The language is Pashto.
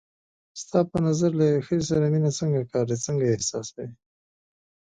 ستا په نظر له یوې ښځې سره مینه څنګه کار دی، څنګه یې احساسوې؟